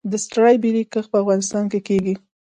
د سټرابیري کښت په افغانستان کې کیږي؟